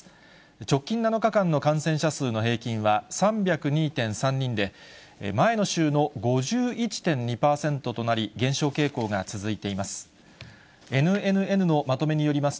直近７日間の感染者数の平均は、３０２．３人で、前の週の５１．２％となり、減少傾向が続いています。